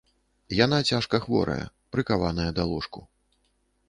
Яна цяжка хворая, прыкаваная да ложку.